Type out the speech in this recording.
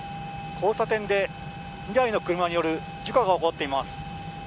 交差点で２台の車による事故が起こっています。